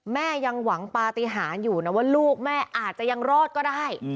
แม่ยังหวังปฏิหารอยู่นะว่าลูกแม่อาจจะยังรอดก็ได้